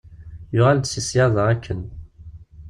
Yuɣal-d seg ssyada akken.